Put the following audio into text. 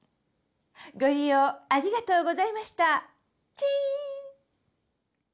ご利用ありがとうございましたチーン！